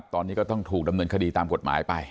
ตอนนี้ก็ต้องถูกดำเนินคดีตามกฎหมายไป